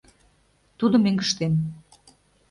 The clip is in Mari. Тудо мӧҥгыштем...